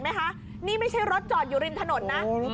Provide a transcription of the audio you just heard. แล้วรถไม่ใช่รถจอดทางทานนทานน้อย